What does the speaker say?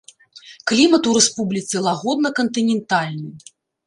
Клімат у рэспубліцы лагодна кантынентальны.